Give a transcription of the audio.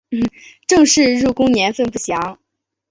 郑氏入宫年份不详。